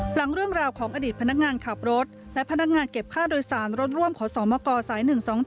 หลังเรื่องราวของอดีตพนักงานขับรถและพนักงานเก็บค่าโดยสารรถร่วมขอสมกสาย๑๒๗